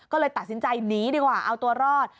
ก็เลยตัดสินใจหนีดีกว่าเอาตัวรอด